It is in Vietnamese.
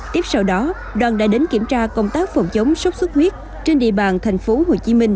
tiếp sau đó đoàn đã đến kiểm tra công tác phòng chống sốt xuất huyết trên địa bàn tp hcm